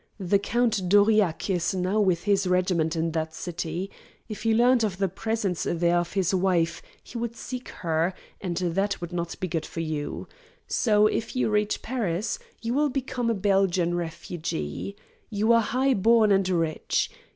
The Count d'Aurillac is now with his regiment in that city. If he learned of the presence there of his wife, he would seek her, and that would not be good for you. So, if you reach Paris, you will become a Belgian refugee. You are high born and rich.